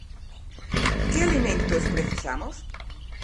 Que alimentos precisamos?